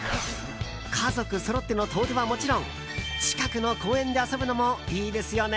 家族そろっての遠出はもちろん近くの公園で遊ぶのもいいですよね。